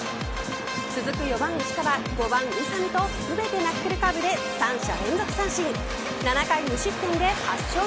続く４番、５番を全てナックルカーブで三者連続三振。